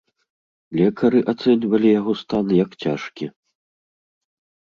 Лекары ацэньвалі яго стан як цяжкі.